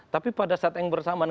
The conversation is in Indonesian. tapi pada saat yang bersamaan